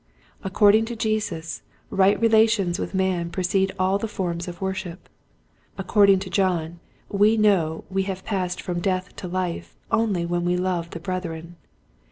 According to Jesus right relations with man precede all the forms of worship. According to John we know we have passed from death to life only when we love the brethren.